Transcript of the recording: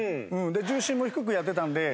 で重心も低くやってたんで。